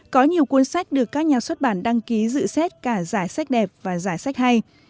có nhiều cuốn sách được các nhà xuất bản đăng ký dự xét cả giải sách đẹp và giải sách hay